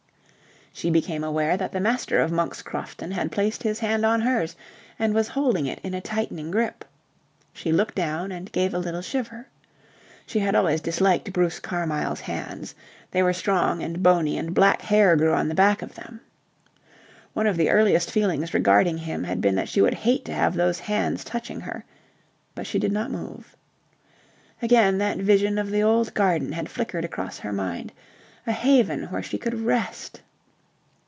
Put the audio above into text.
She became aware that the master of Monk's Crofton had placed his hand on hers and was holding it in a tightening grip. She looked down and gave a little shiver. She had always disliked Bruce Carmyle's hands. They were strong and bony and black hair grew on the back of them. One of the earliest feelings regarding him had been that she would hate to have those hands touching her. But she did not move. Again that vision of the old garden had flickered across her mind... a haven where she could rest...